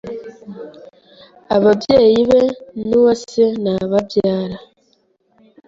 Ababyeyi be na uwase ni ababyara.